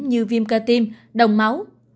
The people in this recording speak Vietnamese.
như viêm cơ tiêm đồng máu